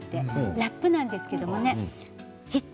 ラップなんですけどもね